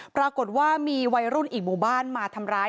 ปรากฏว่ามีวัยรุ่นอีกหมู่บ้านมาทำร้าย